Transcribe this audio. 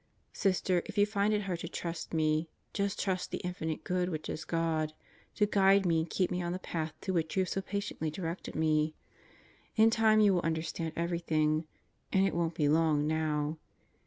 Sister, if you find it hard to trust me, just trust the Infinite Good, which is ,God, to guide me and keep me on the path to which you have so patiently directed me. ... In time you will understand everything. And it won't be long now.